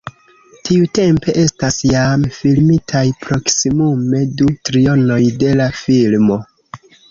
Tiutempe estas jam filmitaj proksimume du trionoj de la filmo.